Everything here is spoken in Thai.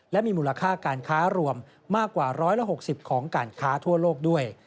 และมีมูลค่าการค้ารวมมากกว่า๑๖๐ของการค้าทั่วโลกด้วย